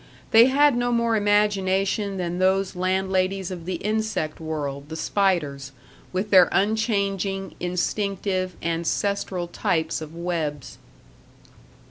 They had no more imagination than those landladies of the insect world, the spiders, with their unchanging, instinctive, ancestral types of webs.